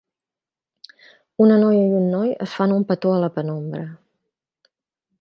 Una noia i un noi es fan un petó a la penombra